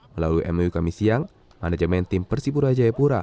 melalui mou kami siang manajemen tim persipura jaipura